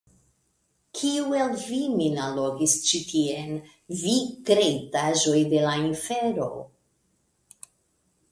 Kiu el vi min allogis ĉi tien, vi kreitaĵoj de la infero?